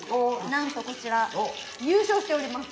なんとこちら優勝しております。